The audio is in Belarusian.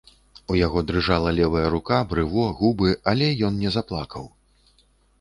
У яго дрыжала левая рука, брыво, губы, але ён не заплакаў.